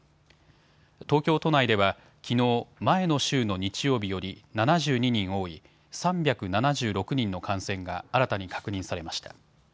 東京都内ではきのう、前の週の日曜日より７２人多い３７６人の感染が新たに確認されました。